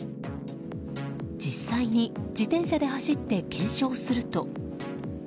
実際に自転車で走って検証すると。